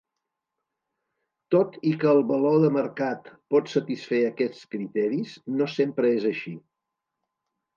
Tot i que el valor de mercat pot satisfer aquests criteris, no sempre és així.